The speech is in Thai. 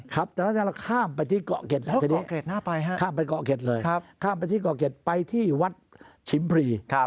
ครับแต่ตอนนั้นเราข้ามไปที่เกาะเกร็ดข้ามไปเกาะเกร็ดเลยข้ามไปที่เกาะเกร็ดไปที่วัดชิมพรี